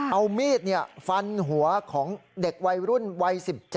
เอามีดฟันหัวของเด็กวัยรุ่นวัย๑๗